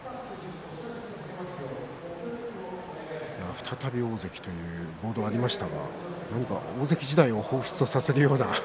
再び大関という垂れ幕がありましたが何か大関時代をほうふつとされるような。